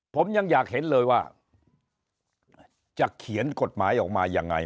ผมยังอยากเห็นเลยว่าจะเขียนกฎหมายออกมายังไง